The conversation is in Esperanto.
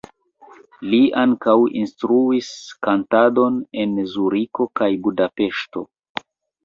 Li ankaŭ instruis kantadon en Zuriko kaj Budapeŝto.